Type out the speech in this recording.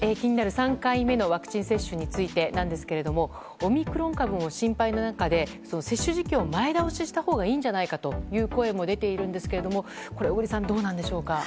３回目のワクチン接種についてですがオミクロン株も心配な中で接種時期を前倒ししたほうがいいんじゃないかという声も出ているんですけれども小栗さん、どうなんでしょうか？